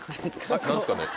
何ですかね？